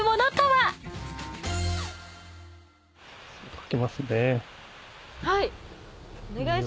はい。